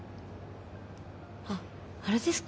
あっあれですか？